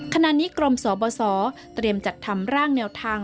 ขณะนี้กรมสบสเตรียมจัดทำร่างแนวทาง